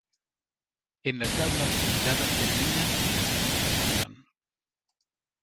En la tabla acumulada terminan en la segunda posición.